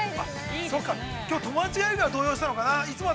◆きょう友達がいるから動揺したのかな。